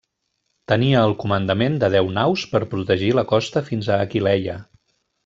Tenia el comandament de deu naus per protegir la costa fins a Aquileia.